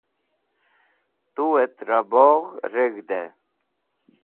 Tuet Ra Bogh Reg̃hde